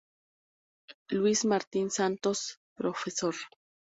Luis Martín Santos, prof.